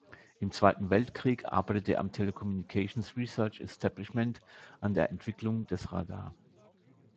Im Zweiten Weltkrieg arbeitete er am Telecommunications Research Establishment an der Entwicklung des Radar.